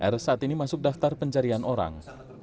r saat ini masuk daftar pencarian orang